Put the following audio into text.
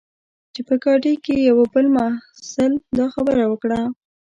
چې په ګاډۍ کې یوه بل محصل دا خبره وکړه.